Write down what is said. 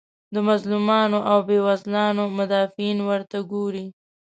د مظلومانو او بیوزلانو مدافعین ورته ګوري.